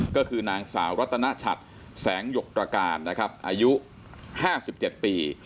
ก็คือนางสาวรัตนชัดแสงหยกตรการนะครับอายุ๕๗ปี